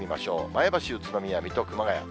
前橋、宇都宮、水戸、熊谷。